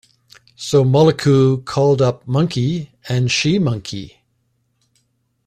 So Muluku called up monkey and she monkey.